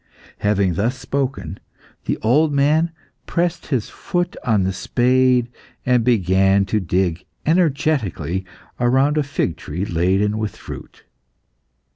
'" Having thus spoken, the old man pressed his foot on the spade, and began to dig energetically round a fig tree laden with fruit.